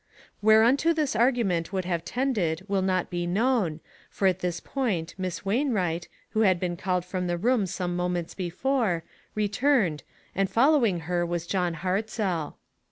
Whereunto this argument would have tended will not be known, for at this point Miss Wainwright, who had been called from the room some moments before, returned, and, following her, was John Hartzell.